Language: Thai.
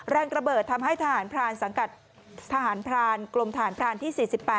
แรงระเบิดทำให้ทหารพรานสังกัดทหารพรานกลมทหารพรานที่๔๘